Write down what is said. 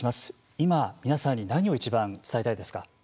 今、皆さんに何をいちばん伝えたいですか。